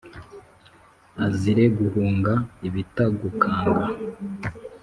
azire guhunga ibitagukanga